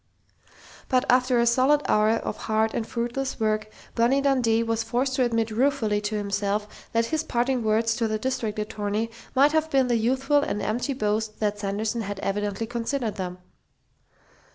But after a solid hour of hard and fruitless work, Bonnie Dundee was forced to admit ruefully to himself that his parting words to the district attorney might have been the youthful and empty boast that Sanderson had evidently considered them.